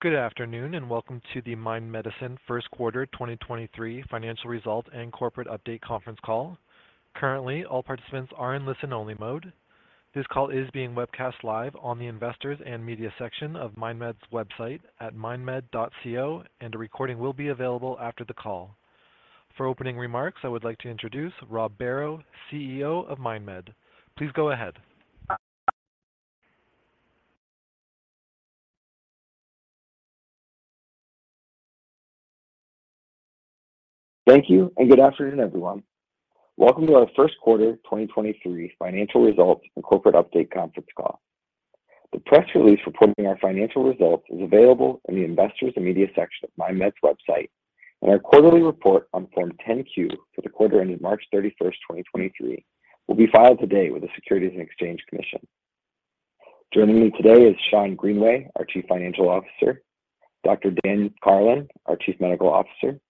Good afternoon, welcome to the Mind Medicine first quarter 2023 financial result and corporate update conference call. Currently, all participants are in listen only mode. This call is being webcast live on the Investors and Media section of MindMed's website at mindmed.co, and a recording will be available after the call. For opening remarks, I would like to introduce Robert Barrow, CEO of MindMed. Please go ahead. Thank you. Good afternoon, everyone. Welcome to our first quarter 2023 financial results and corporate update conference call. The press release reporting our financial results is available in the Investors and Media section of MindMed's website, and our quarterly report on Form 10-Q for the quarter ending March 31st, 2023 will be filed today with the Securities and Exchange Commission. Joining me today is Schond Greenway, our Chief Financial Officer, Dr. Daniel Karlin, our Chief Medical Officer,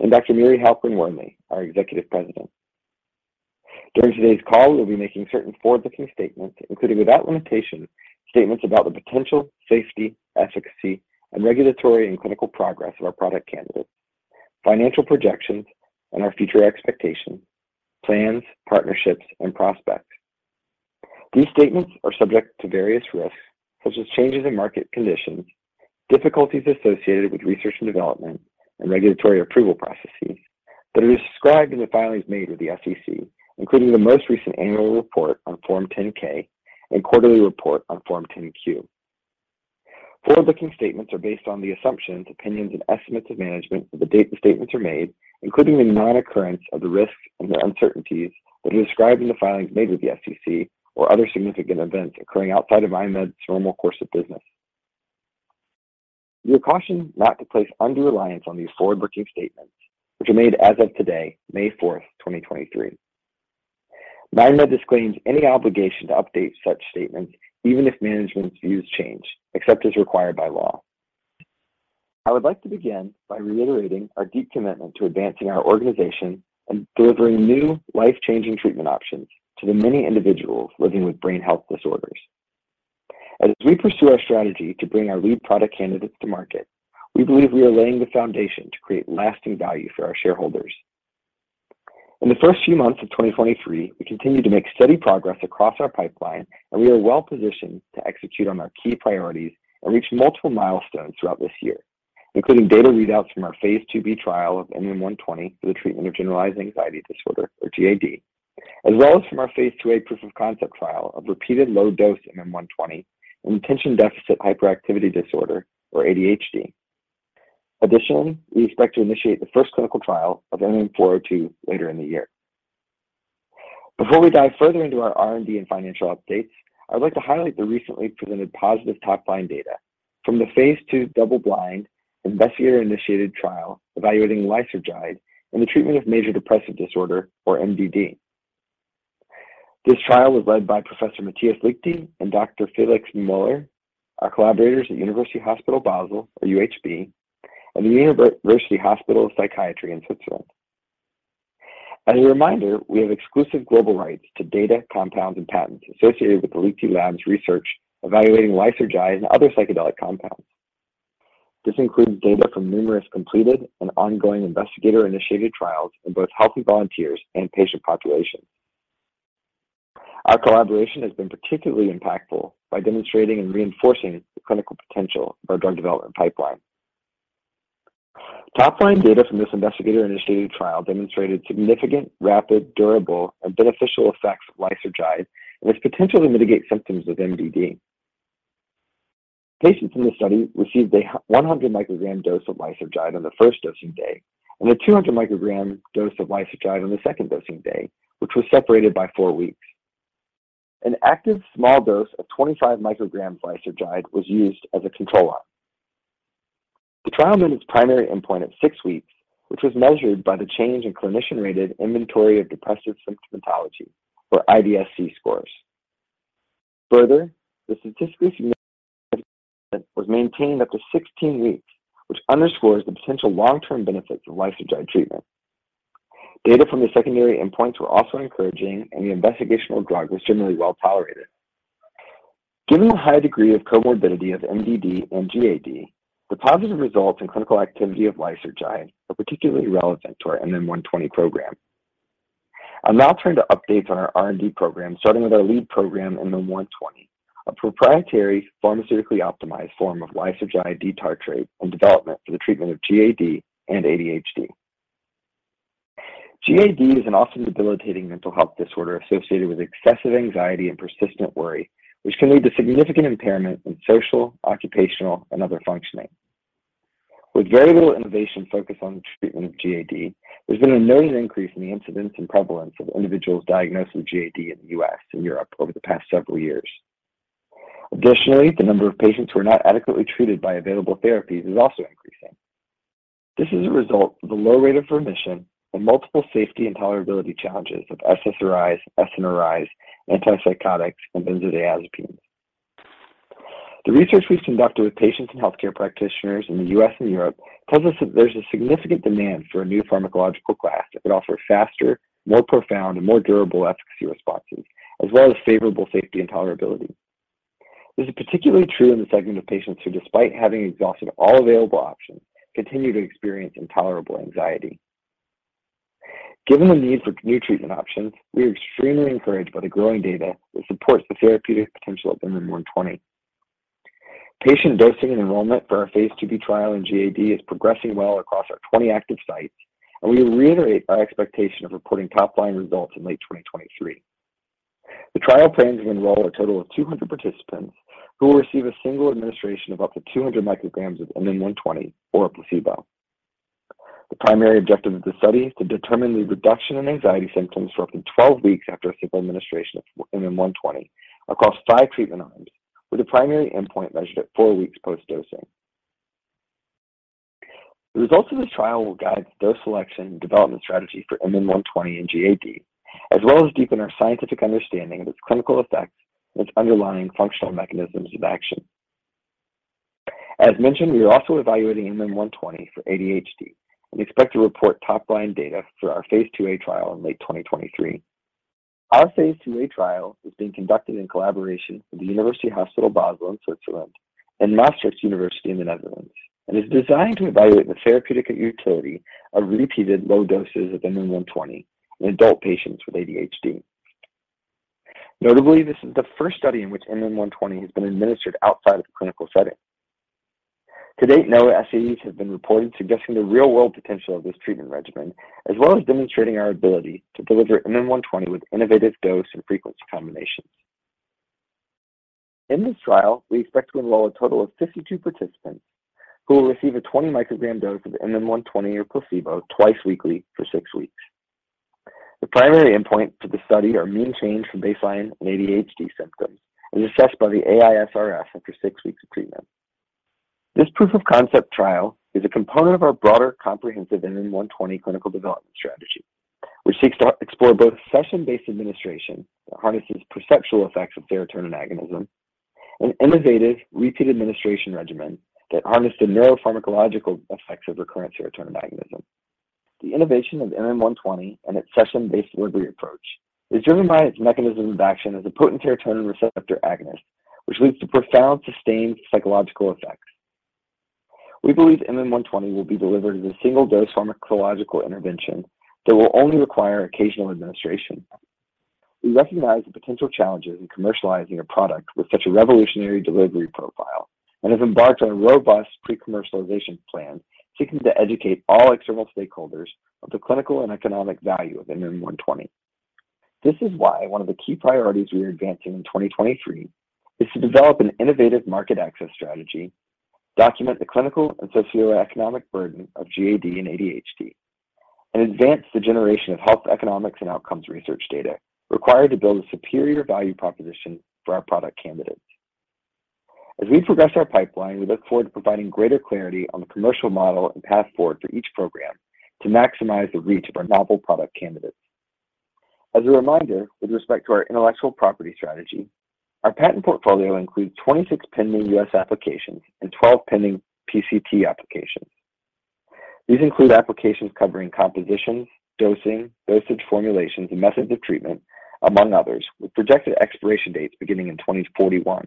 and Dr. Miri Halperin Wernli, our Executive President. During today's call, we'll be making certain forward-looking statements, including without limitation, statements about the potential safety, efficacy, and regulatory and clinical progress of our product candidates, financial projections and our future expectations, plans, partnerships and prospects. These statements are subject to various risks, such as changes in market conditions, difficulties associated with research and development, and regulatory approval processes that are described in the filings made with the SEC, including the most recent annual report on Form 10-K and quarterly report on Form 10-Q. Forward-looking statements are based on the assumptions, opinions, and estimates of management at the date the statements are made, including the non-occurrence of the risks and the uncertainties that are described in the filings made with the SEC or other significant events occurring outside of MindMed's normal course of business. You are cautioned not to place undue reliance on these forward-looking statements which are made as of today, May 4, 2023. MindMed disclaims any obligation to update such statements, even if management's views change, except as required by law. I would like to begin by reiterating our deep commitment to advancing our organization and delivering new life-changing treatment options to the many individuals living with brain health disorders. As we pursue our strategy to bring our lead product candidates to market, we believe we are laying the foundation to create lasting value for our shareholders. In the first few months of 2023, we continued to make steady progress across our pipeline. We are well positioned to execute on our key priorities and reach multiple milestones throughout this year, including data readouts from our phase IIb trial of MM120 for the treatment of generalized anxiety disorder or GAD, as well as from our phase IIa proof of concept trial of repeated low dose MM120 in attention deficit hyperactivity disorder or ADHD. Additionally, we expect to initiate the first clinical trial of MM402 later in the year. Before we dive further into our R&D and financial updates, I'd like to highlight the recently presented positive top line data from the phase II double-blind investigator-initiated trial evaluating lysergide in the treatment of major depressive disorder or MDD. This trial was led by Professor Matthias Liechti and Dr. Felix Mueller, our collaborators at University Hospital Basel or UHB, and the University Hospital of Psychiatry in Switzerland. As a reminder, we have exclusive global rights to data, compounds, and patents associated with the Liechti Lab's research evaluating lysergide and other psychedelic compounds. This includes data from numerous completed and ongoing investigator-initiated trials in both healthy volunteers and patient populations. Our collaboration has been particularly impactful by demonstrating and reinforcing the clinical potential of our drug development pipeline. Top line data from this investigator-initiated trial demonstrated significant, rapid, durable and beneficial effects of lysergide and its potential to mitigate symptoms of MDD. Patients in this study received a 100 microgram dose of lysergide on the first dosing day and a 200 microgram dose of lysergide on the second dosing day, which was separated by four weeks. An active small dose of 25 micrograms lysergide was used as a control arm. The trial made its primary endpoint at 6 weeks, which was measured by the change in Clinician-Rated Inventory of Depressive Symptomatology or IDS-C scores. The statistically significant was maintained up to 16 weeks, which underscores the potential long term benefits of lysergide treatment. Data from the secondary endpoints were also encouraging, the investigational drug was generally well tolerated. Given the high degree of comorbidity of MDD and GAD, the positive results and clinical activity of lysergide are particularly relevant to our MM120 program. I'll now turn to updates on our R&D program, starting with our lead program, MM120, a proprietary pharmaceutically optimized form of lysergide tartrate in development for the treatment of GAD and ADHD. GAD is an often debilitating mental health disorder associated with excessive anxiety and persistent worry, which can lead to significant impairment in social, occupational and other functioning. With very little innovation focused on the treatment of GAD, there's been a noted increase in the incidence and prevalence of individuals diagnosed with GAD in the U.S. and Europe over the past several years. Additionally, the number of patients who are not adequately treated by available therapies is also increasing. This is a result of the low rate of remission and multiple safety and tolerability challenges of SSRIs, SNRIs, antipsychotics and benzodiazepines. The research we've conducted with patients and healthcare practitioners in the U.S. and Europe tells us that there's a significant demand for a new pharmacological class that could offer faster, more profound and more durable efficacy responses, as well as favorable safety and tolerability. This is particularly true in the segment of patients who, despite having exhausted all available options, continue to experience intolerable anxiety. Given the need for new treatment options, we are extremely encouraged by the growing data that supports the therapeutic potential of MM120. Patient dosing and enrollment for our Phase IIb trial in GAD is progressing well across our 20 active sites, and we reiterate our expectation of reporting top line results in late 2023. The trial plans to enroll a total of 200 participants who will receive a single administration of up to 200 micrograms of MM120 or a placebo. The primary objective of the study is to determine the reduction in anxiety symptoms for up to 12 weeks after a single administration of MM120 across 5 treatment arms, with a primary endpoint measured at four weeks post dosing. The results of this trial will guide dose selection and development strategy for MM120 in GAD, as well as deepen our scientific understanding of its clinical effects and its underlying functional mechanisms of action. As mentioned, we are also evaluating MM120 for ADHD and expect to report top line data for our Phase IIa trial in late 2023. Our Phase IIa trial is being conducted in collaboration with the University Hospital Basel in Switzerland and Maastricht University in the Netherlands, is designed to evaluate the therapeutic utility of repeated low doses of MM120 in adult patients with ADHD. Notably, this is the first study in which MM120 has been administered outside of a clinical setting. To date, no SAEs have been reported, suggesting the real world potential of this treatment regimen, as well as demonstrating our ability to deliver MM120 with innovative dose and frequency combinations. In this trial, we expect to enroll a total of 52 participants who will receive a 20 microgram dose of MM120 or placebo twice weekly for six weeks. The primary endpoint for the study are mean change from baseline in ADHD symptoms, as assessed by the AISRS after six weeks of treatment. This proof of concept trial is a component of our broader comprehensive MM120 clinical development strategy, which seeks to explore both session-based administration that harnesses perceptual effects of serotonin agonism and innovative repeat administration regimen that harness the neuropharmacological effects of recurrent serotonin agonism. The innovation of MM120 and its session-based delivery approach is driven by its mechanism of action as a potent serotonin receptor agonist, which leads to profound, sustained psychological effects. We believe MM120 will be delivered as a single dose pharmacological intervention that will only require occasional administration. We recognize the potential challenges in commercializing a product with such a revolutionary delivery profile and have embarked on a robust pre-commercialization plan seeking to educate all external stakeholders of the clinical and economic value of MM120. This is why one of the key priorities we are advancing in 2023 is to develop an innovative market access strategy, document the clinical and socioeconomic burden of GAD and ADHD, and advance the generation of health economics and outcomes research data required to build a superior value proposition for our product candidates. As we progress our pipeline, we look forward to providing greater clarity on the commercial model and path forward for each program to maximize the reach of our novel product candidates. As a reminder, with respect to our intellectual property strategy, our patent portfolio includes 26 pending U.S. applications and 12 pending PCT applications. These include applications covering composition, dosing, dosage formulations, and methods of treatment, among others, with projected expiration dates beginning in 2041.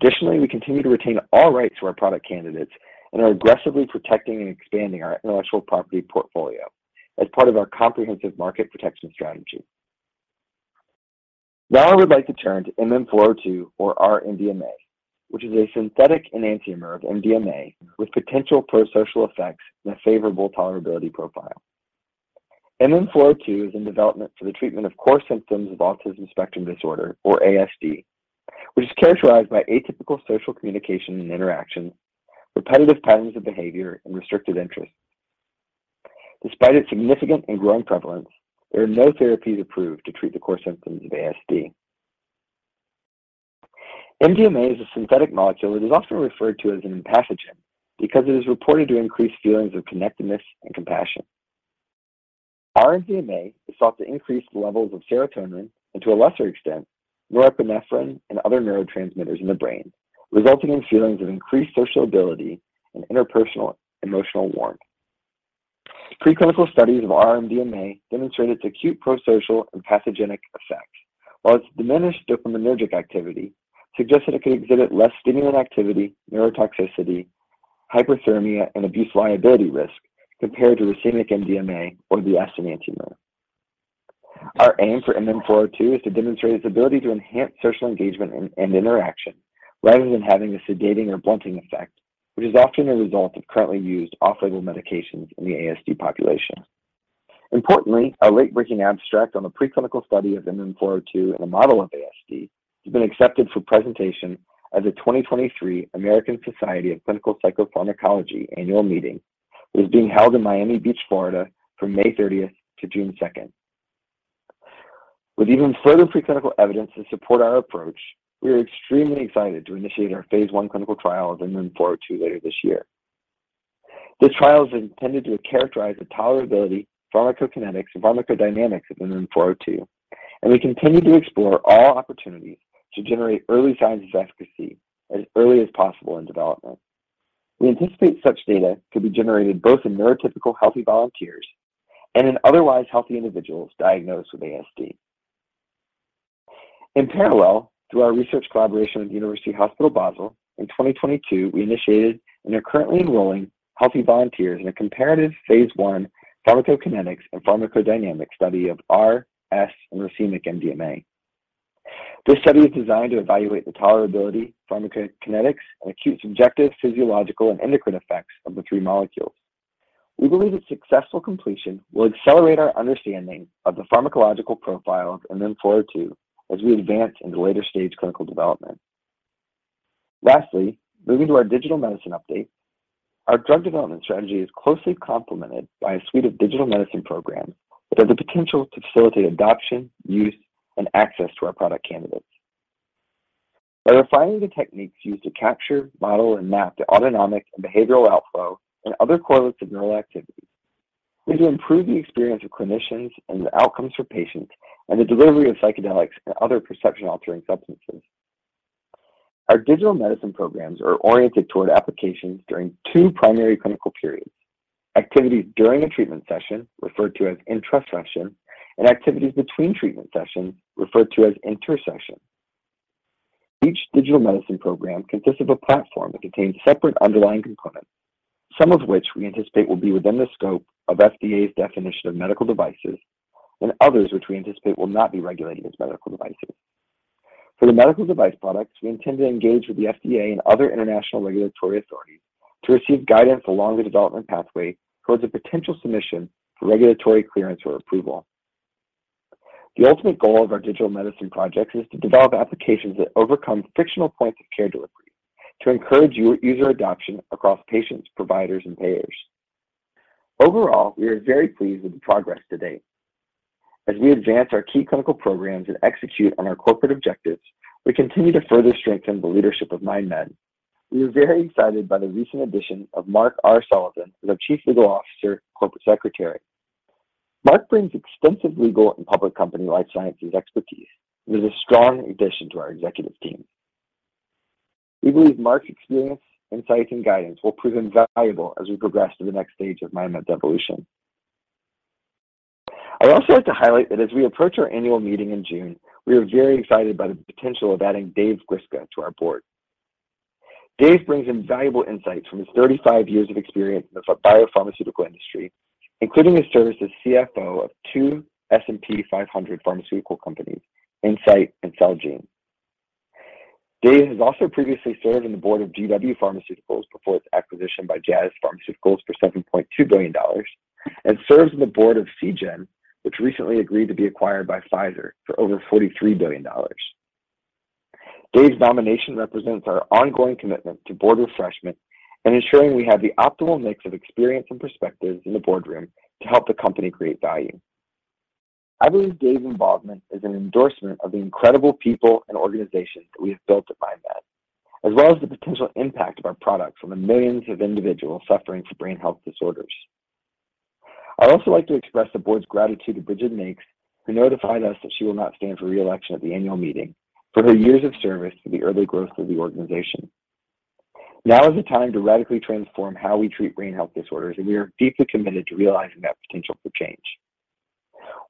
Additionally, we continue to retain all rights to our product candidates and are aggressively protecting and expanding our intellectual property portfolio as part of our comprehensive market protection strategy. Now, I would like to turn to MM402, or R-MDMA, which is a synthetic enantiomer of MDMA with potential prosocial effects and a favorable tolerability profile. MM402 is in development for the treatment of core symptoms of autism spectrum disorder, or ASD, which is characterized by atypical social communication and interactions, repetitive patterns of behavior, and restricted interests. Despite its significant and growing prevalence, there are no therapies approved to treat the core symptoms of ASD. MDMA is a synthetic molecule that is often referred to as an empathogen because it is reported to increase feelings of connectedness and compassion. R-MDMA is thought to increase the levels of serotonin and, to a lesser extent, norepinephrine and other neurotransmitters in the brain, resulting in feelings of increased sociability and interpersonal emotional warmth. Preclinical studies of R-MDMA demonstrate its acute prosocial empathogenic effects, while its diminished dopaminergic activity suggests that it could exhibit less stimulant activity, neurotoxicity, hyperthermia, and abuse liability risk compared to racemic MDMA or the S enantiomer. Our aim for MM402 is to demonstrate its ability to enhance social engagement and interaction rather than having a sedating or blunting effect, which is often a result of currently used off label medications in the ASD population. Importantly, a late breaking abstract on the preclinical study of MM402 in a model of ASD has been accepted for presentation at the 2023 American Society of Clinical Psychopharmacology annual meeting, which is being held in Miami Beach, Florida, from May 30th to June 2nd. With even further preclinical evidence to support our approach, we are extremely excited to initiate our phase I clinical trial of MM402 later this year. This trial is intended to characterize the tolerability, pharmacokinetics, and pharmacodynamics of MM402, and we continue to explore all opportunities to generate early signs of efficacy as early as possible in development. We anticipate such data could be generated both in neurotypical healthy volunteers and in otherwise healthy individuals diagnosed with ASD. In parallel, through our research collaboration with University Hospital Basel, in 2022, we initiated and are currently enrolling healthy volunteers in a comparative Phase I pharmacokinetics and pharmacodynamics study of R, S, and racemic MDMA. This study is designed to evaluate the tolerability, pharmacokinetics, and acute subjective, physiological, and endocrine effects of the three molecules. We believe its successful completion will accelerate our understanding of the pharmacological profile of MM402 as we advance into later-stage clinical development. Moving to our digital medicine update. Our drug development strategy is closely complemented by a suite of digital medicine programs that have the potential to facilitate adoption, use, and access to our product candidates. By refining the techniques used to capture, model, and map the autonomic and behavioral outflow and other correlates of neural activities, we can improve the experience of clinicians and the outcomes for patients and the delivery of psychedelics and other perception-altering substances. Our digital medicine programs are oriented toward applications during two primary clinical periods: activities during a treatment session, referred to as intra-session, and activities between treatment sessions, referred to as inter-session. Each digital medicine program consists of a platform that contains separate underlying components, some of which we anticipate will be within the scope of FDA's definition of medical devices, and others which we anticipate will not be regulated as medical devices. For the medical device products, we intend to engage with the FDA and other international regulatory authorities to receive guidance along the development pathway towards a potential submission for regulatory clearance or approval. The ultimate goal of our digital medicine projects is to develop applications that overcome frictional points of care delivery to encourage user adoption across patients, providers, and payers. Overall, we are very pleased with the progress to date. As we advance our key clinical programs and execute on our corporate objectives, we continue to further strengthen the leadership of MindMed. We are very excited by the recent addition of Mark R. Sullivan as our Chief Legal Officer and Corporate Secretary. Mark brings extensive legal and public company life sciences expertise and is a strong addition to our executive team. We believe Mark's experience, insights, and guidance will prove invaluable as we progress to the next stage of MindMed' evolution. I'd also like to highlight that as we approach our annual meeting in June, we are very excited by the potential of adding Dave Dudzinski to our board. Dave brings invaluable insights from his 35 years of experience in the biopharmaceutical industry, including his service as CFO of two S&P 500 pharmaceutical companies, Incyte and Celgene. Dave has also previously served on the board of GW Pharmaceuticals before its acquisition by Jazz Pharmaceuticals for $7.2 billion, and serves on the board of Seagen, which recently agreed to be acquired by Pfizer for over $43 billion. Dave's nomination represents our ongoing commitment to board refreshment and ensuring we have the optimal mix of experience and perspectives in the boardroom to help the company create value. I believe Dave's involvement is an endorsement of the incredible people and organizations that we have built at MindMed, as well as the potential impact of our products on the millions of individuals suffering from brain health disorders. I'd also like to express the board's gratitude to Brigid Makes, who notified us that she will not stand for reelection at the annual meeting, for her years of service to the early growth of the organization. Now is the time to radically transform how we treat brain health disorders, and we are deeply committed to realizing that potential for change.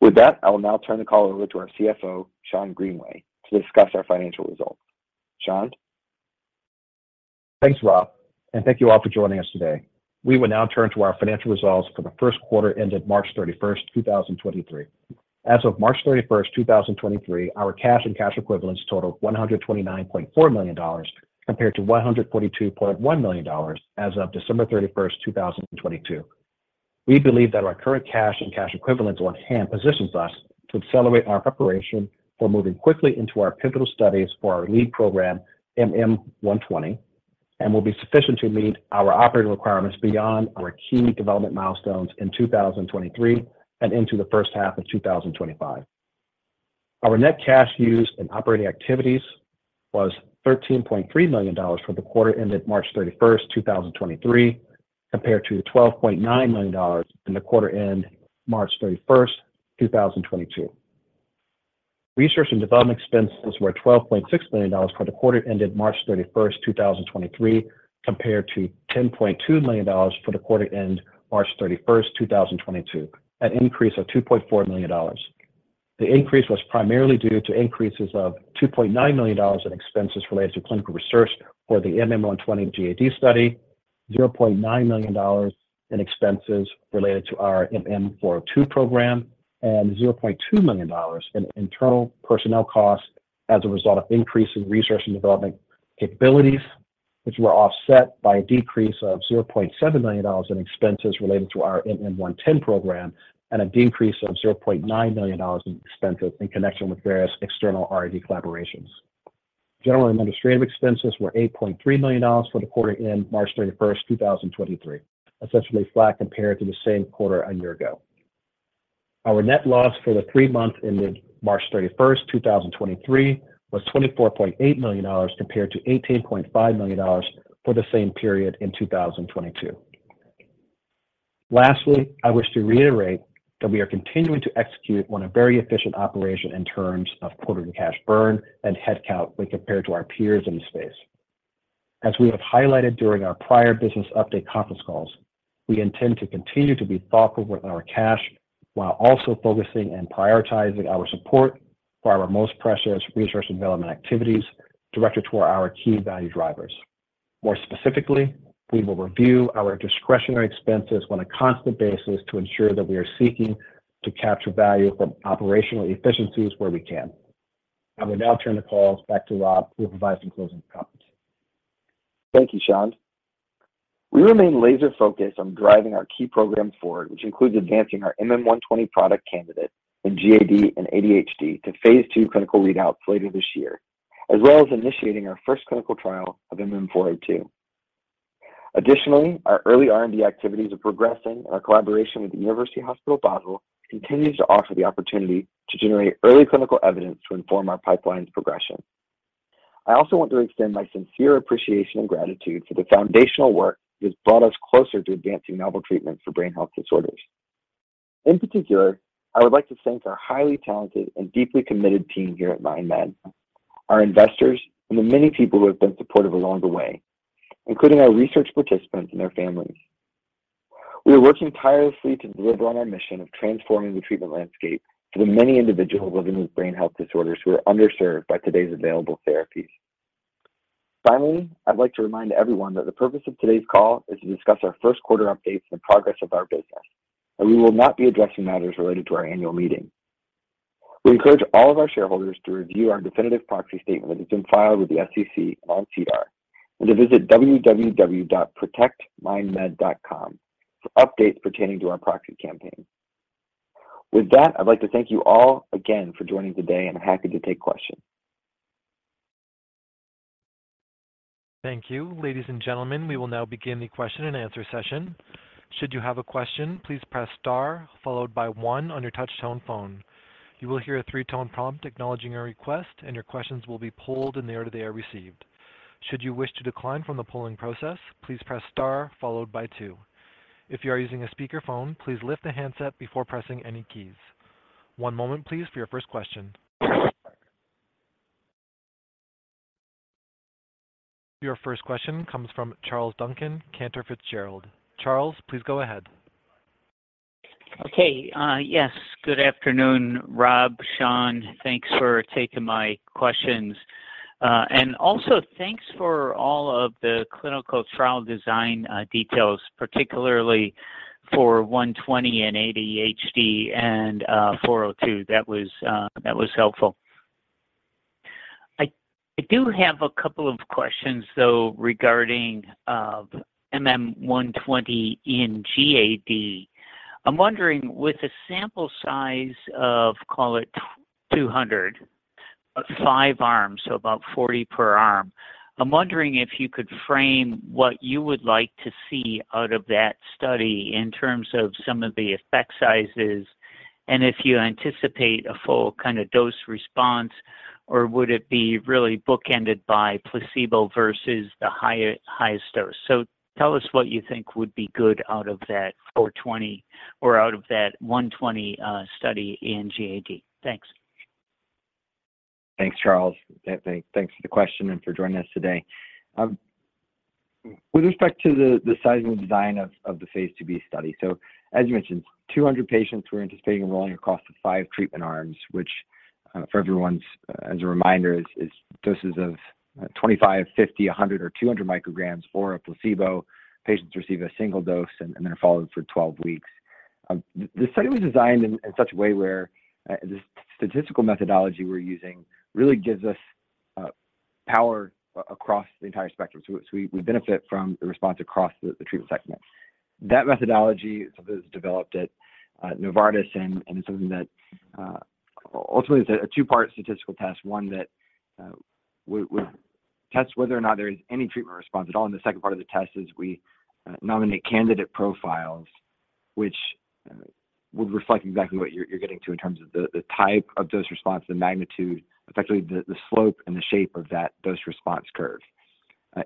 With that, I will now turn the call over to our CFO, Schond Greenway, to discuss our financial results. Schond? Thanks, Rob. Thank you all for joining us today. We will now turn to our financial results for the first quarter ended March 31st, 2023. As of March 31st, 2023, our cash and cash equivalents totaled $129.4 million compared to $142.1 million as of December 31st, 2022. We believe that our current cash and cash equivalents on hand positions us to accelerate our preparation for moving quickly into our pivotal studies for our lead program, MM120, and will be sufficient to meet our operating requirements beyond our key development milestones in 2023 and into the first half of 2025. Our net cash used in operating activities was $13.3 million for the quarter ended March 31, 2023, compared to $12.9 million in the quarter end March 31, 2022. Research and development expenses were $12.6 million for the quarter ended March 31, 2023, compared to $10.2 million for the quarter end March 31, 2022, an increase of $2.4 million. The increase was primarily due to increases of $2.9 million in expenses related to clinical research for the MM120 GAD study, $0.9 million in expenses related to our MM402 program, and $0.2 million in internal personnel costs as a result of increase in research and development capabilities, which were offset by a decrease of $0.7 million in expenses related to our MM110 program and a decrease of $0.9 million in expenses in connection with various external R&D collaborations. General and administrative expenses were $8.3 million for the quarter end March 31, 2023, essentially flat compared to the same quarter a year ago. Our net loss for the three months ended March 31st, 2023 was $24.8 million compared to $18.5 million for the same period in 2022. Lastly, I wish to reiterate that we are continuing to execute on a very efficient operation in terms of quarterly cash burn and headcount when compared to our peers in the space. As we have highlighted during our prior business update conference calls, we intend to continue to be thoughtful with our cash while also focusing and prioritizing our support for our most precious resource development activities directed toward our key value drivers. More specifically, we will review our discretionary expenses on a constant basis to ensure that we are seeking to capture value from operational efficiencies where we can. I will now turn the call back to Rob, who will provide some closing comments. Thank you, Schond. We remain laser focused on driving our key programs forward, which includes advancing our MM120 product candidate in GAD and ADHD to phase II clinical readouts later this year, as well as initiating our first clinical trial of MM402. Additionally, our early R&D activities are progressing, and our collaboration with the University Hospital Basel continues to offer the opportunity to generate early clinical evidence to inform our pipeline's progression. I also want to extend my sincere appreciation and gratitude for the foundational work that has brought us closer to advancing novel treatments for brain health disorders. In particular, I would like to thank our highly talented and deeply committed team here at MindMed, our investors, and the many people who have been supportive along the way, including our research participants and their families. We are working tirelessly to deliver on our mission of transforming the treatment landscape for the many individuals living with brain health disorders who are underserved by today's available therapies. Finally, I'd like to remind everyone that the purpose of today's call is to discuss our first quarter updates and progress of our business, and we will not be addressing matters related to our annual meeting. We encourage all of our shareholders to review our definitive proxy statement that's been filed with the SEC on CD&A and to visit www.protectmindmed.com for updates pertaining to our proxy campaign. With that, I'd like to thank you all again for joining today, and I'm happy to take questions. Thank you. Ladies and gentlemen, we will now begin the question and answer session. Should you have a question, please press star followed by one on your touch tone phone. You will hear a three-tone prompt acknowledging your request, and your questions will be pulled in the order they are received. Should you wish to decline from the polling process, please press star followed by two. If you are using a speakerphone, please lift the handset before pressing any keys. One moment please for your first question. Your first question comes from Charles Duncan, Cantor Fitzgerald. Charles, please go ahead. Okay. Yes. Good afternoon, Rob, Schond. Thanks for taking my questions. Also thanks for all of the clinical trial design, details, particularly for 120 and ADHD and, 402. That was helpful. I do have a couple of questions, though, regarding MM120 in GAD. I'm wondering, with a sample size of, call it 200, but 5 arms, so about 40 per arm, I'm wondering if you could frame what you would like to see out of that study in terms of some of the effect sizes and if you anticipate a full kind of dose response, or would it be really bookended by placebo versus the high, highest dose? Tell us what you think would be good out of that 402 or out of that 120 study in GAD. Thanks. Thanks, Charles. Thanks for the question and for joining us today. With respect to the size and design of the Phase IIb study. As you mentioned, 200 patients we're anticipating enrolling across the five treatment arms, which for everyone's as a reminder is doses of 25, 50, 100, or 200 micrograms or a placebo. Patients receive a single dose and then are followed for 12 weeks. This study was designed in such a way where the statistical methodology we're using really gives us power across the entire spectrum. We benefit from the response across the treatment segments. That methodology is developed at Novartis and is something that ultimately is a two-part statistical test, one that will test whether or not there is any treatment response at all. The second part of the test is we nominate candidate profiles which would reflect exactly what you're getting to in terms of the type of dose response, the magnitude, effectively the slope and the shape of that dose response curve.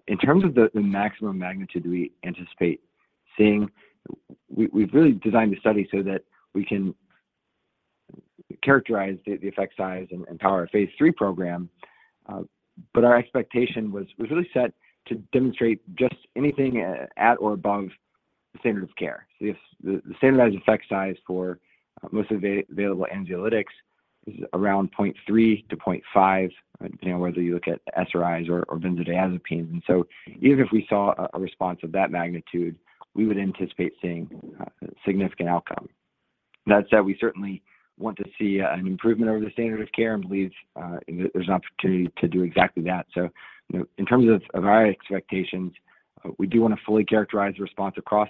In terms of the maximum magnitude we anticipate seeing, we've really designed the study so that we can characterize the effect size and power of phase III program. Our expectation was really set to demonstrate just anything at or above the standard of care. If the standardized effect size for most of the available anxiolytics is around 0.3 to 0.5, depending on whether you look at SRIs or benzodiazepines. Even if we saw a response of that magnitude, we would anticipate seeing significant outcome. That said, we certainly want to see an improvement over the standard of care and believe there's an opportunity to do exactly that. You know, in terms of our expectations, we do want to fully characterize response across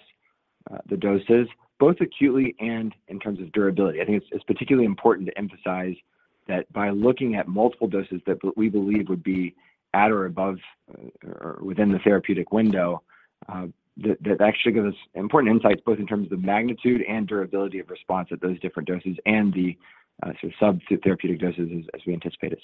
the doses, both acutely and in terms of durability. I think it's particularly important to emphasize that by looking at multiple doses that we believe would be at or above or within the therapeutic window, that actually give us important insights both in terms of magnitude and durability of response at those different doses and the sort of sub-therapeutic doses as we anticipated.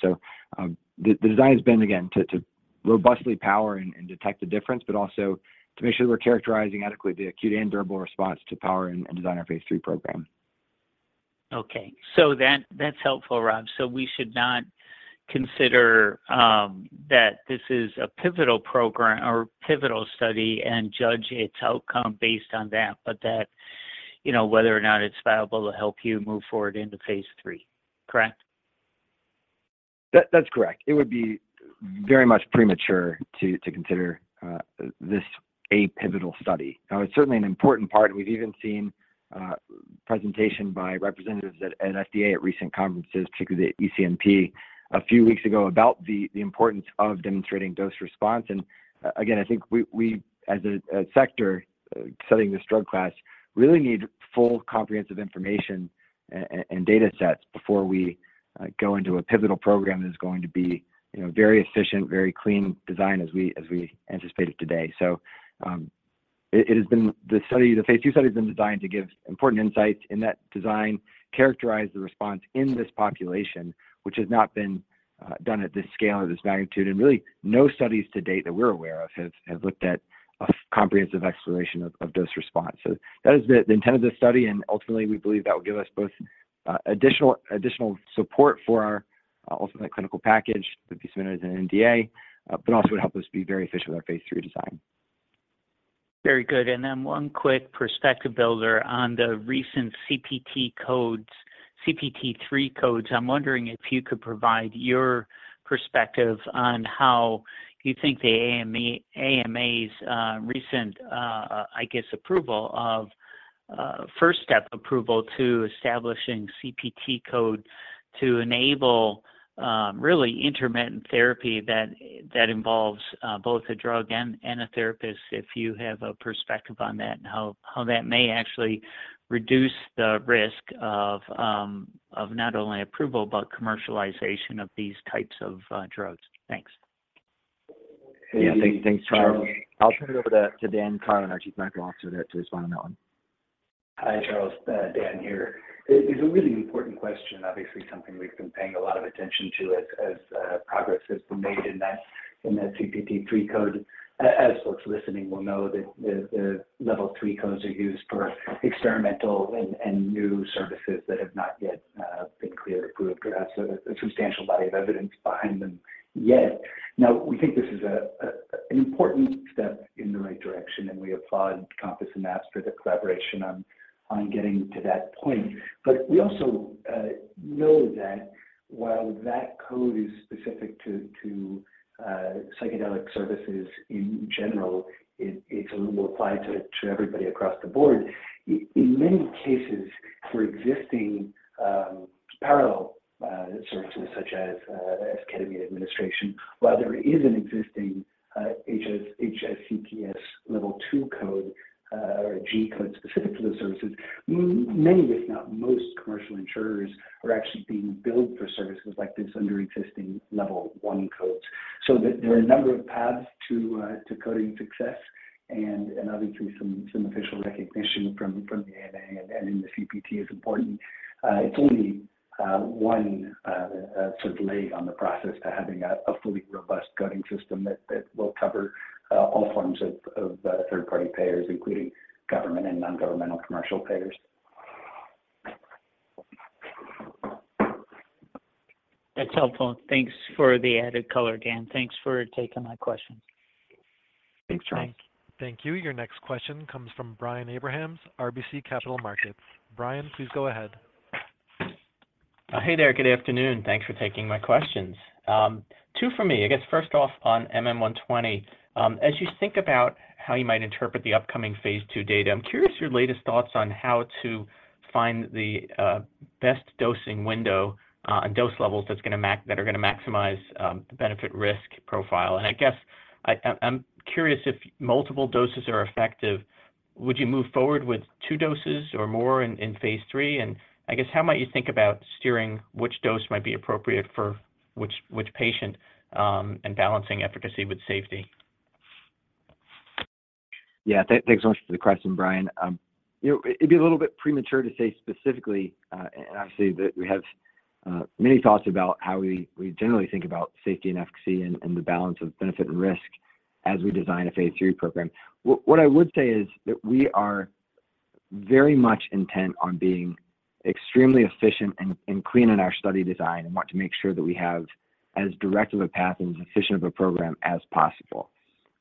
The design has been, again, to robustly power and detect the difference, but also to make sure we're characterizing adequately the acute and durable response to power and design our phase three program. That, that's helpful, Rob. We should not consider that this is a pivotal program or pivotal study and judge its outcome based on that, but that you know, whether or not it's viable to help you move forward into phase III. Correct? That's correct. It would be very much premature to consider this a pivotal study. Now, it's certainly an important part. We've even seen a presentation by representatives at FDA at recent conferences, particularly at ECNP a few weeks ago, about the importance of demonstrating dose response. Again, I think we as a sector studying this drug class really need full comprehensive information and data sets before we go into a pivotal program that is going to be, you know, very efficient, very clean design as we anticipate it today. It has been the phase II study has been designed to give important insights, and that design characterized the response in this population, which has not been done at this scale or this magnitude. Really no studies to date that we're aware of have looked at a comprehensive exploration of dose response. That is the intent of this study, and ultimately we believe that will give us both additional support for our ultimate clinical package that be submitted as an NDA, but also would help us be very efficient with our phase three design. Very good. Then one quick perspective builder on the recent CPT codes, CPT Category III codes. I'm wondering if you could provide your perspective on how you think the AMA's recent, I guess, approval of first step approval to establishing CPT code to enable really intermittent therapy that involves both a drug and a therapist, if you have a perspective on that and how that may actually reduce the risk of not only approval but commercialization of these types of drugs. Thanks. Yeah. Thanks, Charles. I'll turn it over to Dan Karlin, our Chief Medical Officer, to respond to that one. Hi, Charles. Dan here. It is a really important question, obviously something we've been paying a lot of attention to as progress has been made in that CPT 3 code. As folks listening will know that the level three codes are used for experimental and new services that have not yet been cleared or approved or have a substantial body of evidence behind them yet. We think this is an important step in the right direction, and we applaud Compass and MAPS for the collaboration on getting to that point. We also know that while that code is specific to psychedelic services in general, it will apply to everybody across the board. In many cases for existing parallel services such as ketamine administration, while there is an existing HCPCS Level II code, or a G code specific to those services, many if not most commercial insurers are actually being billed for services like this under existing Level I codes. There are a number of paths to coding success and obviously some official recognition from the AMA and in the CPT is important. It's only one sort of leg on the process to having a fully robust coding system that will cover all forms of third-party payers including government and non-governmental commercial payers. That's helpful. Thanks for the added color, Dan. Thanks for taking my questions. Thanks, Charles. Thank you. Your next question comes from Brian Abrahams, RBC Capital Markets. Brian, please go ahead. Hey there. Good afternoon. Thanks for taking my questions. Two for me. I guess first off on MM120, as you think about how you might interpret the upcoming phase II data, I'm curious your latest thoughts on how to find the best dosing window and dose levels that's gonna maximize the benefit-risk profile. I guess I'm, I'm curious if multiple doses are effective, would you move forward with two doses or more in phase III? I guess how might you think about steering which dose might be appropriate for which patient, and balancing efficacy with safety? Yeah. Thanks so much for the question, Brian. You know, it'd be a little bit premature to say specifically, obviously that we have many thoughts about how we generally think about safety and efficacy and the balance of benefit and risk as we design a phase three program. What I would say is that we are very much intent on being extremely efficient and clean in our study design and want to make sure that we have as direct of a path and as efficient of a program as possible.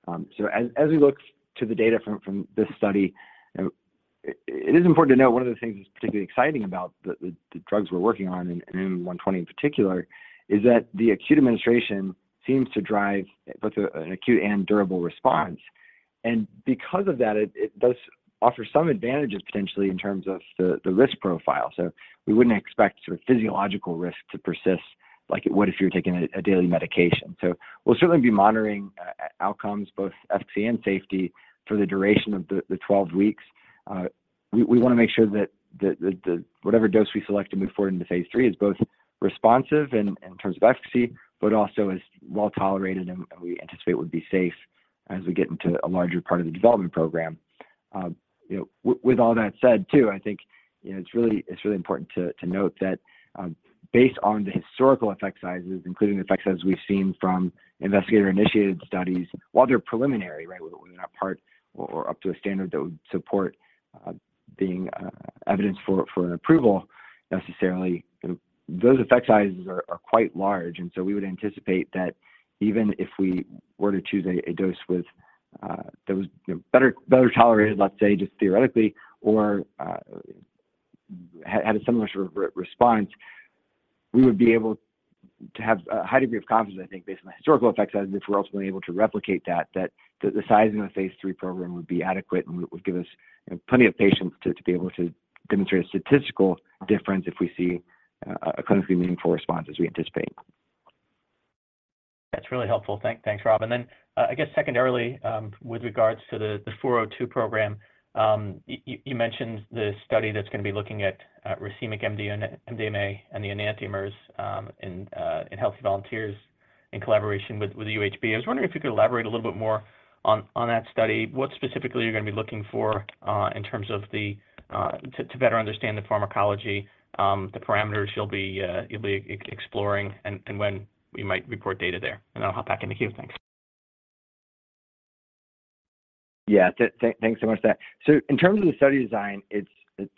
As we look to the data from this study, it is important to note one of the things that's particularly exciting about the drugs we're working on and 120 in particular, is that the acute administration seems to drive both an acute and durable response. Because of that, it does offer some advantages potentially in terms of the risk profile. We wouldn't expect sort of physiological risk to persist like it would if you were taking a daily medication. We'll certainly be monitoring outcomes, both efficacy and safety for the duration of the 12 weeks. We wanna make sure that the whatever dose we select to move forward into phase III is both responsive in terms of efficacy, but also is well-tolerated and we anticipate would be safe as we get into a larger part of the development program. You know, with all that said too, I think, you know, it's really important to note that based on the historical effect sizes, including the effect sizes we've seen from investigator-initiated studies, while they're preliminary, right? Up to a standard that would support being evidence for an approval necessarily. Those effect sizes are quite large. We would anticipate that even if we were to choose a dose with that was, you know, better tolerated, let's say, just theoretically, or had a similar sort of re-response, we would be able to have a high degree of confidence, I think, based on the historical effect sizes, if we're ultimately able to replicate that the size of the phase III program would be adequate and would give us, you know, plenty of patients to be able to demonstrate a statistical difference if we see a clinically meaningful response as we anticipate. That's really helpful. Thank-thanks, Rob. And then, uh, I guess secondarily, um, with regards to the, the four oh two program, um, you, you, you mentioned the study that's gonna be looking at, uh, racemic MD-MDMA and the enantiomers, um, in, uh, in healthy volunteers in collaboration with, with the UHB. I was wondering if you could elaborate a little bit more on, on that study, what specifically you're gonna be looking for, uh, in terms of the, uh, to, to better understand the pharmacology, um, the parameters you'll be, uh, you'll be ex-exploring and, and when we might report data there. And then I'll hop back in the queue. Thanks. Yeah. Thanks so much for that. In terms of the study design, it's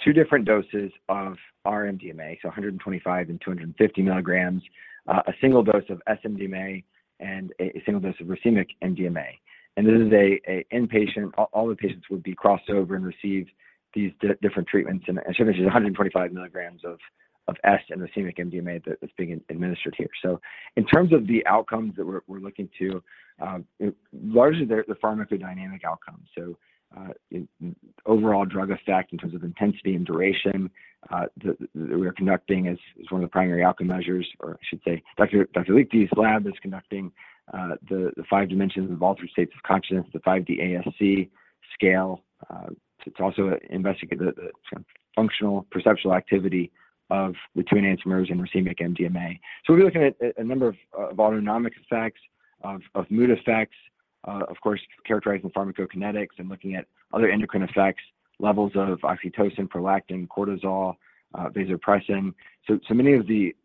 two different doses of R-MDMA, so 125 and 250 milligrams, a single dose of S-MDMA, and a single dose of racemic MDMA. This is an inpatient. All the patients would be crossed over and receive these different treatments. I mentioned there's 125 milligrams of S and racemic MDMA that is being administered here. In terms of the outcomes that we're looking to, largely they're the pharmacodynamic outcomes. Overall drug effect in terms of intensity and duration that we are conducting is one of the primary outcome measures, or I should say Dr. Liechti's lab is conducting, the Five Dimensions of Altered States of Consciousness, the 5D-ASC scale. It's also investigate the functional perceptual activity of the two enantiomers and racemic MDMA. We'll be looking at a number of autonomic effects, of mood effects, of course, characterizing pharmacokinetics and looking at other endocrine effects, levels of oxytocin, prolactin, cortisol, vasopressin. Many of the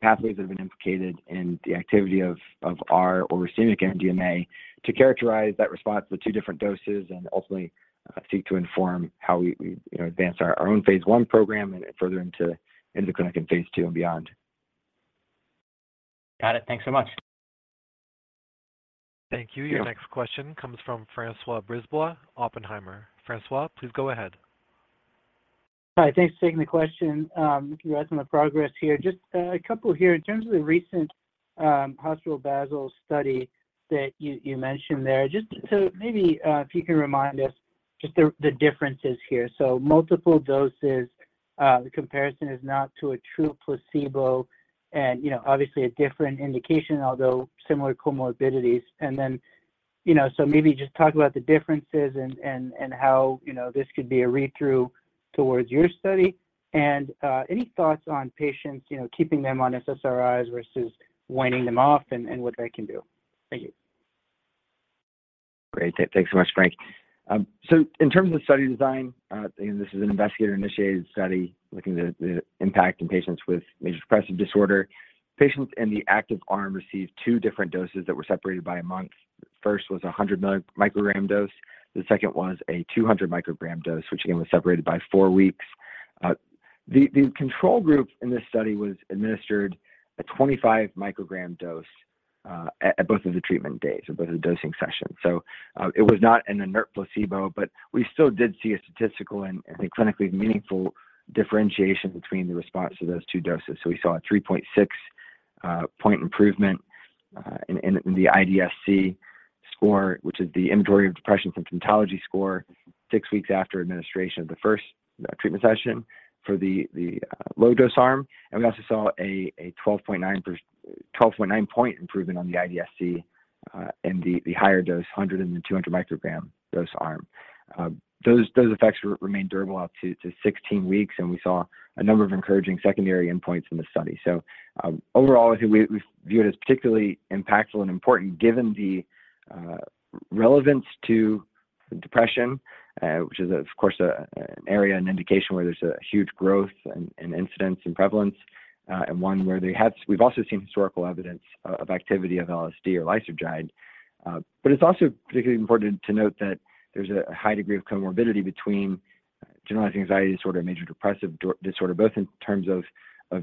pathways that have been implicated in the activity of R or racemic MDMA to characterize that response with two different doses and ultimately, seek to inform how we, you know, advance our own phase I program and further into the clinic in phase II and beyond. Got it. Thanks so much. Thank you. Your next question comes from François Brisebois, Oppenheimer. François, please go ahead. Hi. Thanks for taking the question. Congrats on the progress here. Just a couple here. In terms of the recent University Hospital Basel study that you mentioned there, just so maybe if you can remind us just the differences here. Multiple doses, the comparison is not to a true placebo and, you know, obviously a different indication, although similar comorbidities. You know, maybe just talk about the differences and how, you know, this could be a read-through towards your study. Any thoughts on patients, you know, keeping them on SSRIs versus weaning them off and what they can do. Thank you. Great. Thanks so much, Frank. In terms of study design, again, this is an investigator-initiated study looking at the impact in patients with major depressive disorder. Patients in the active arm received two different doses that were separated by a month. First was a 100 microgram dose. The second was a 200 microgram dose, which again was separated by four weeks. The control group in this study was administered a 25 microgram dose at both of the treatment days, both of the dosing sessions. It was not an inert placebo, but we still did see a statistical and, I think, clinically meaningful differentiation between the response to those two doses. We saw a 3.6 point improvement in the IDS-C score, which is the Inventory of Depressive Symptomatology score, six weeks after administration of the first treatment session for the low-dose arm. We also saw a 12.9 point improvement on the IDS-C in the higher dose, 100 and 200 microgram dose arm. Those effects remain durable up to 16 weeks. We saw a number of encouraging secondary endpoints in the study. Overall, I think we view it as particularly impactful and important given the relevance to depression, which is of course, an area, an indication where there's a huge growth in incidence and prevalence, and one where they had... We've also seen historical evidence of activity of LSD or lysergide. It's also particularly important to note that there's a high degree of comorbidity between generalized anxiety disorder and major depressive disorder, both in terms of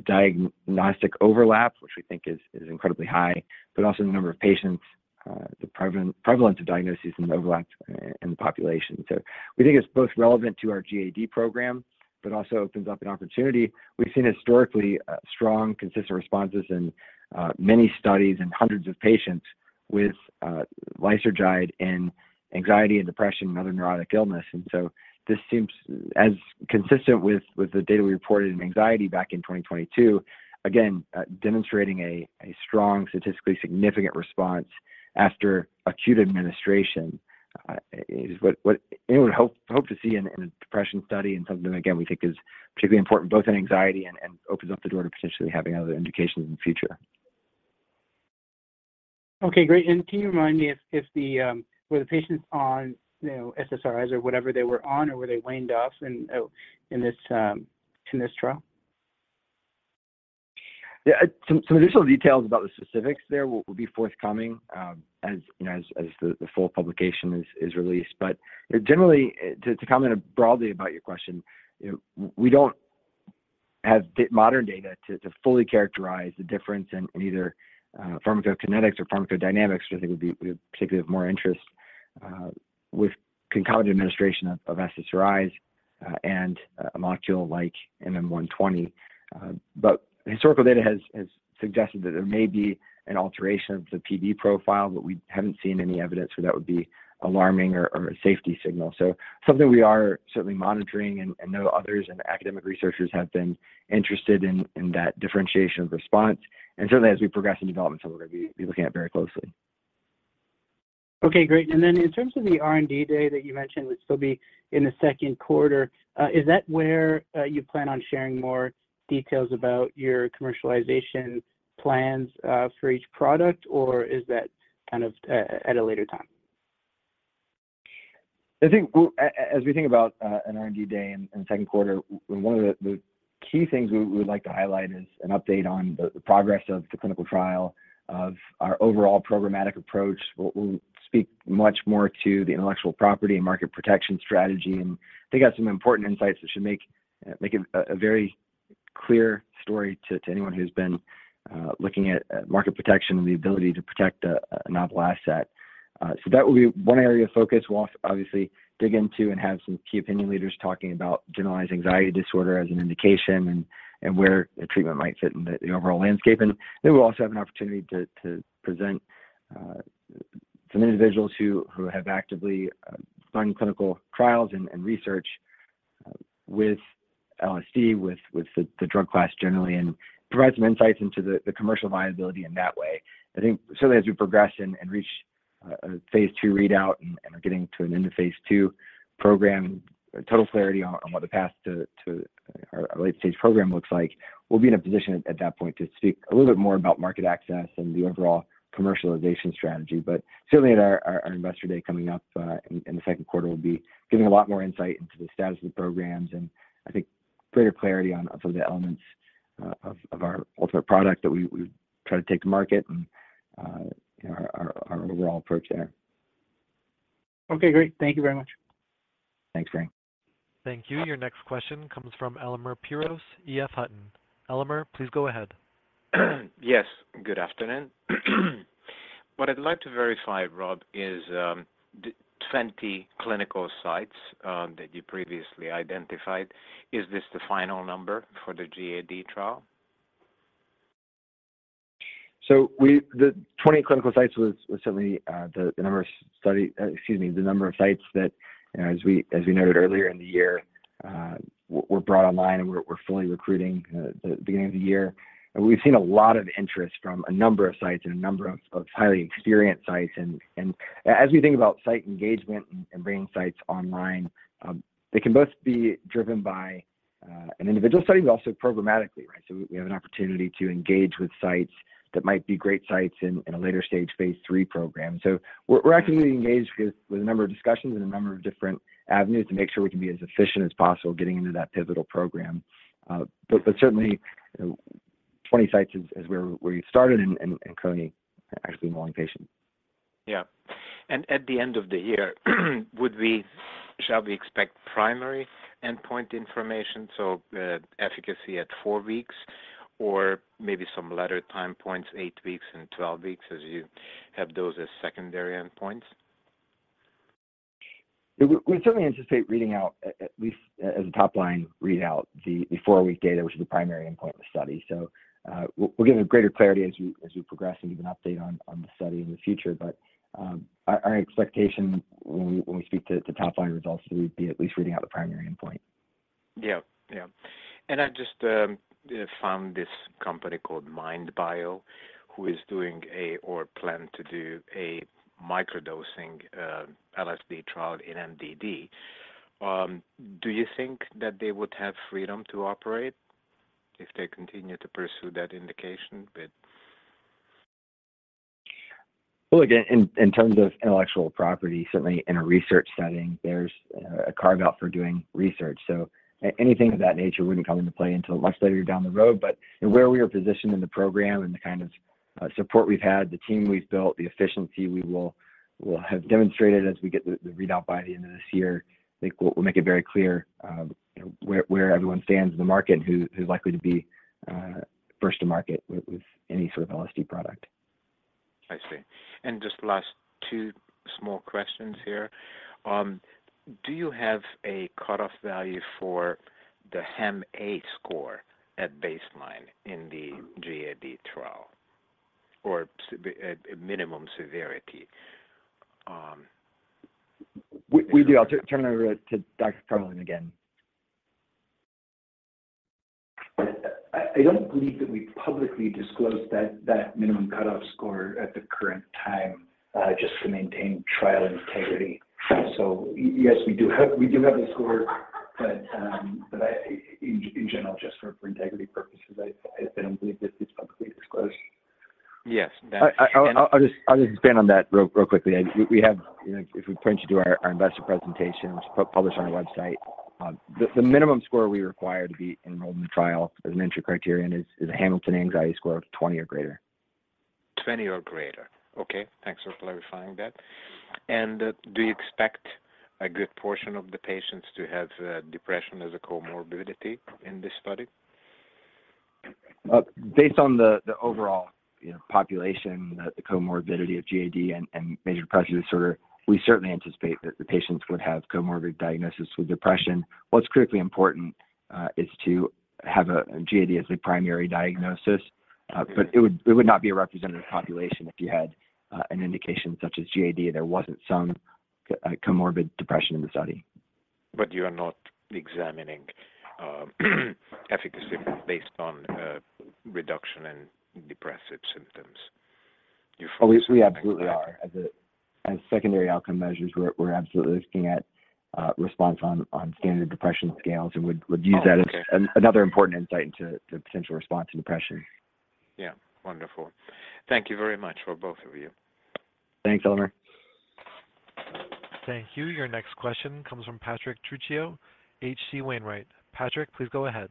diagnostic overlap, which we think is incredibly high, but also the number of patients, the prevalence of diagnoses and the overlap in the population. We think it's both relevant to our GAD program, but also opens up an opportunity. We've seen historically strong, consistent responses in many studies in hundreds of patients with lysergide in anxiety and depression and other neurotic illness. This seems as consistent with the data we reported in anxiety back in 2022. Again, demonstrating a strong statistically significant response after acute administration is what anyone would hope to see in a depression study. Something that, again, we think is particularly important both in anxiety and opens up the door to potentially having other indications in the future. Okay. Great. Can you remind me if the were the patients on, you know, SSRIs or whatever they were on, or were they weaned off in this, in this trial? Yeah, some additional details about the specifics there will be forthcoming, as, you know, as the full publication is released. Generally, to comment broadly about your question, you know, we don't have modern data to fully characterize the difference in either pharmacokinetics or pharmacodynamics, which I think we particularly have more interest with concomitant administration of SSRIs and a molecule like MM120. The historical data has suggested that there may be an alteration of the PD profile, but we haven't seen any evidence where that would be alarming or a safety signal. Something we are certainly monitoring and know others and academic researchers have been interested in that differentiation of response. Certainly as we progress in development, something we're going to be looking at very closely. Okay, great. In terms of the R&D day that you mentioned, which will be in the second quarter, is that where you plan on sharing more details about your commercialization plans for each product, or is that kind of at a later time? I think as we think about an R&D day in the second quarter, one of the key things we would like to highlight is an update on the progress of the clinical trial of our overall programmatic approach. We'll speak much more to the intellectual property and market protection strategy, I think have some important insights that should make a very clear story to anyone who's been looking at market protection and the ability to protect a novel asset. That will be one area of focus. We'll obviously dig into and have some key opinion leaders talking about generalized anxiety disorder as an indication and where a treatment might fit in the overall landscape. Then we'll also have an opportunity to present some individuals who have actively done clinical trials and research with LSD, with the drug class generally and provide some insights into the commercial viability in that way. I think certainly as we progress and reach a phase II readout and are getting to an end of phase II program, total clarity on what the path to our late-stage program looks like, we'll be in a position at that point to speak a little bit more about market access and the overall commercialization strategy. Certainly at our investor day coming up in the second quarter, we'll be giving a lot more insight into the status of the programs and I think greater clarity on some of the elements of our ultimate product that we try to take to market and our overall approach there. Okay, great. Thank you very much. Thanks, Frank. Thank you. Your next question comes from Elemer Piros, EF Hutton. Elemer, please go ahead. Yes. Good afternoon. What I'd like to verify, Rob, is, the 20 clinical sites, that you previously identified. Is this the final number for the GAD trial? The 20 clinical sites was certainly the number of sites that, you know, as we noted earlier in the year, were brought online and we're fully recruiting at the beginning of the year. We've seen a lot of interest from a number of sites and a number of highly experienced sites. As we think about site engagement and bringing sites online, they can both be driven by an individual study, but also programmatically, right? We have an opportunity to engage with sites that might be great sites in a later stage phase III program. We're actively engaged with a number of discussions and a number of different avenues to make sure we can be as efficient as possible getting into that pivotal program. Certainly, 20 sites is where you started and coding actually enrolling patients. Yeah. At the end of the year, shall we expect primary endpoint information, so, efficacy at two weeks or maybe some latter time points, eight weeks and 12 weeks, as you have those as secondary endpoints? We certainly anticipate reading out at least as a top-line readout, the four-week data, which is the primary endpoint of the study. We're giving greater clarity as we progress and give an update on the study in the future. Our expectation when we speak to the top-line results, we'd be at least reading out the primary endpoint. Yeah. Yeah. I just found this company called MindBio Therapeutics, who is doing a or plan to do a microdosing LSD trial in MDD. Do you think that they would have freedom to operate if they continue to pursue that indication with... Again, in terms of intellectual property, certainly in a research setting, there's a carve-out for doing research. Anything of that nature wouldn't come into play until much later down the road. Where we are positioned in the program and the kind of support we've had, the team we've built, the efficiency we will have demonstrated as we get the readout by the end of this year, I think we'll make it very clear, where everyone stands in the market and who's likely to be first to market with any sort of LSD product. I see. Just last two small questions here. Do you have a cutoff value for the HAM-A score at baseline in the GAD trial or a minimum severity? We do. I'll turn it over to Dr. Karlin again. I don't believe that we publicly disclosed that minimum cutoff score at the current time, just to maintain trial integrity. Yes, we do have a score. In general, just for integrity purposes, I don't believe this is publicly disclosed. Yes. I'll just expand on that real quickly. We have If we point you to our investor presentation which is published on our website, the minimum score we require to be enrolled in the trial as an entry criterion is a Hamilton Anxiety Scale of 20 or greater. 20 or greater. Okay. Thanks for clarifying that. Do you expect a good portion of the patients to have depression as a comorbidity in this study? Based on the overall, you know, population, the comorbidity of GAD and major depressive disorder, we certainly anticipate that the patients would have comorbid diagnosis with depression. What's critically important is to have a GAD as a primary diagnosis, but it would not be a representative population if you had an indication such as GAD. There wasn't some comorbid depression in the study. You are not examining efficacy based on reduction in depressive symptoms. We absolutely are. As secondary outcome measures, we're absolutely looking at response on standard depression scales and would use that. Oh, okay. another important insight into the potential response to depression. Wonderful. Thank you very much for both of you. Thanks, Elemer. Thank you. Your next question comes from Patrick Trucchio, H.C. Wainwright. Patrick, please go ahead.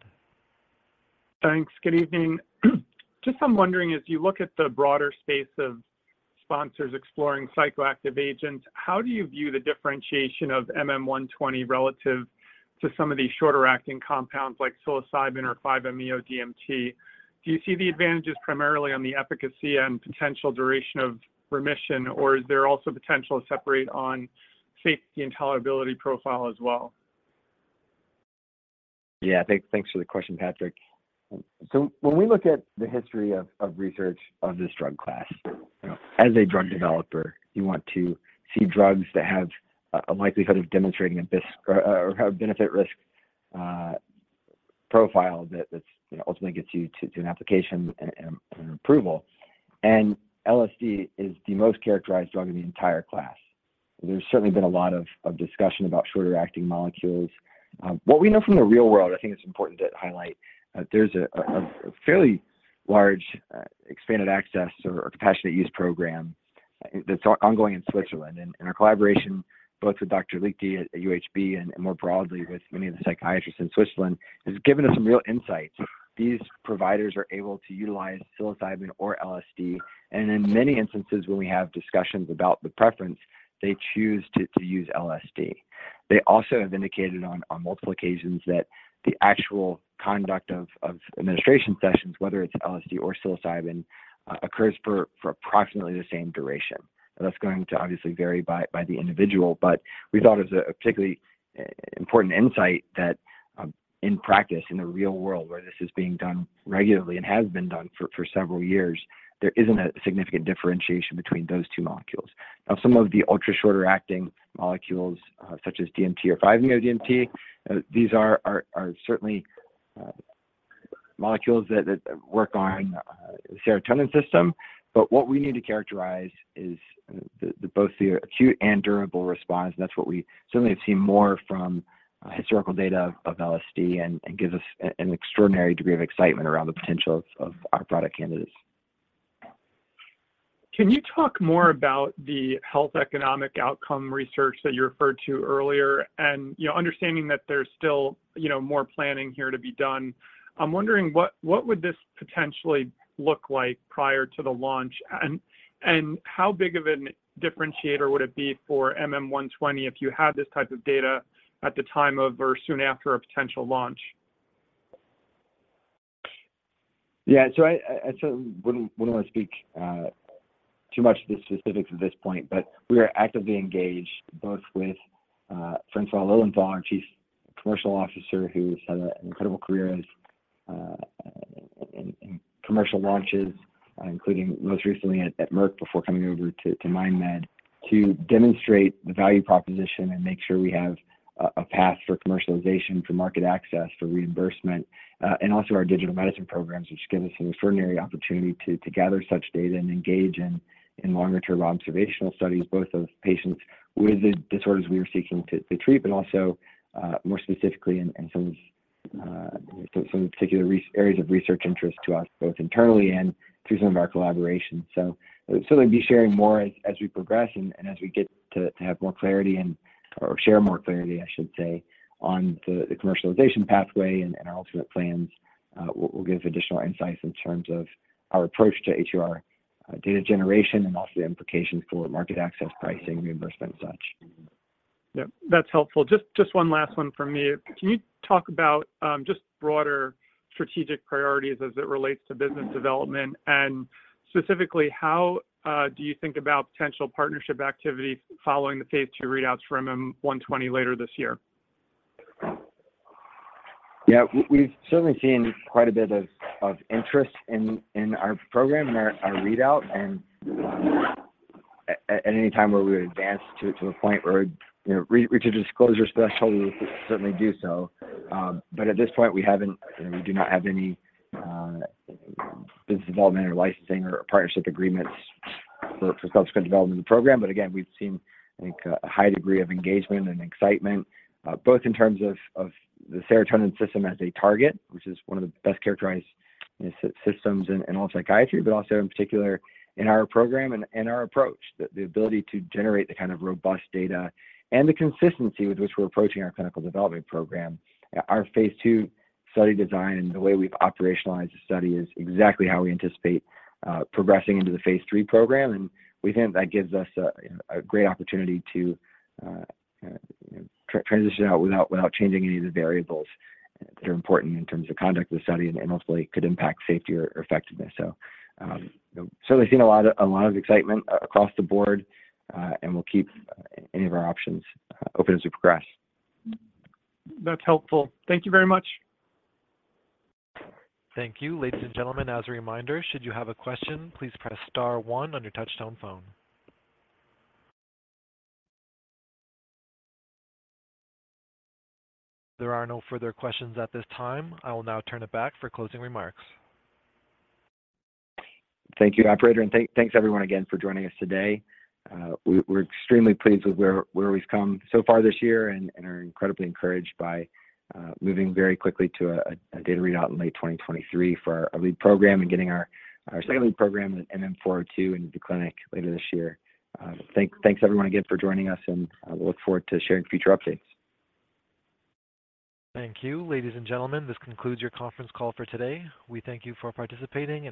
Thanks. Good evening. Just I'm wondering, as you look at the broader space of sponsors exploring psychoactive agents, how do you view the differentiation of MM120 relative to some of these shorter acting compounds like psilocybin or five MEO DMT? Do you see the advantages primarily on the efficacy and potential duration of remission, or is there also potential to separate on safety and tolerability profile as well? Yeah. Thanks for the question, Patrick. When we look at the history of research of this drug class, you know, as a drug developer, you want to see drugs that have a likelihood of demonstrating a benefit risk profile that, you know, ultimately gets you to an application and approval. LSD is the most characterized drug in the entire class. There's certainly been a lot of discussion about shorter acting molecules. What we know from the real world, I think it's important to highlight that there's a fairly large expanded access or compassionate use program that's ongoing in Switzerland. And our collaboration both with Dr. Liechti at UHB and more broadly with many of the psychiatrists in Switzerland has given us some real insights. These providers are able to utilize psilocybin or LSD, and in many instances, when we have discussions about the preference, they choose to use LSD. They also have indicated on multiple occasions that the actual conduct of administration sessions, whether it's LSD or psilocybin, occurs for approximately the same duration. That's going to obviously vary by the individual. We thought it was a particularly important insight that in practice in the real world where this is being done regularly and has been done for several years, there isn't a significant differentiation between those two molecules. Some of the ultra shorter acting molecules, such as DMT or five MEO DMT, these are certainly molecules that work on the serotonin system. What we need to characterize is the both the acute and durable response. That's what we certainly have seen more from historical data of LSD and gives us an extraordinary degree of excitement around the potential of our product candidates. Can you talk more about the health economic outcome research that you referred to earlier? You know, understanding that there's still, you know, more planning here to be done, I'm wondering what would this potentially look like prior to the launch and how big of a differentiator would it be for MM120 if you had this type of data at the time of or soon after a potential launch? I wouldn't wanna speak too much to the specifics at this point. We are actively engaged both with François Lalonde, our Chief Commercial Officer, who's had an incredible career in commercial launches, including most recently at Merck before coming over to MindMed, to demonstrate the value proposition and make sure we have a path for commercialization, for market access, for reimbursement. Also our digital medicine programs, which give us an extraordinary opportunity to gather such data and engage in longer term observational studies, both of patients with the disorders we are seeking to treat, but also more specifically in some particular areas of research interest to us, both internally and through some of our collaborations. We'll certainly be sharing more as we progress and as we get to have more clarity or share more clarity, I should say, on the commercialization pathway and our ultimate plans. We'll give additional insights in terms of our approach to EHR data generation and also the implications for market access pricing, reimbursement and such. Yep. That's helpful. Just one last one from me. Can you talk about just broader strategic priorities as it relates to business development? Specifically, how do you think about potential partnership activities following the Phase II readouts for MM120 later this year? We've certainly seen quite a bit of interest in our program and our readout. At any time where we would advance to a point where we're, you know, reach a disclosure threshold, we would certainly do so. At this point, we haven't, you know, we do not have any business development or licensing or partnership agreements for subsequent development of the program. Again, we've seen I think a high degree of engagement and excitement, both in terms of the serotonin system as a target, which is one of the best characterized systems in all psychiatry, but also in particular in our program and our approach. The ability to generate the kind of robust data and the consistency with which we're approaching our clinical development program. Our phase II study design and the way we've operationalized the study is exactly how we anticipate progressing into the phase III program. We think that gives us a great opportunity to transition out without changing any of the variables that are important in terms of conduct of the study and hopefully could impact safety or effectiveness. Certainly seen a lot of excitement across the board, and we'll keep any of our options open as we progress. That's helpful. Thank you very much. Thank you. Ladies and gentlemen, as a reminder, should you have a question, please press star one on your touchtone phone. There are no further questions at this time. I will now turn it back for closing remarks. Thank you, operator. Thanks everyone again for joining us today. We're extremely pleased with where we've come so far this year and are incredibly encouraged by moving very quickly to a data readout in late 2023 for our lead program and getting our second lead program, MM402, into the clinic later this year. Thanks everyone again for joining us, and I look forward to sharing future updates. Thank you. Ladies and gentlemen, this concludes your conference call for today. We thank you for participating.